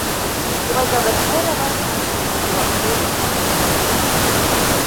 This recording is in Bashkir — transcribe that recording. Туғайҙағы һәр ағас һәм ҡыуаҡты таныр ине.